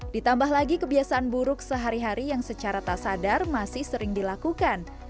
ditambah lagi kebiasaan buruk sehari hari yang secara tak sadar masih sering dilakukan